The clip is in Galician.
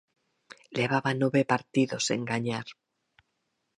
Levaba nove partidos sen gañar.